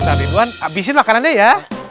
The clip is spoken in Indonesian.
ustadz ridwan abisin makanannya ya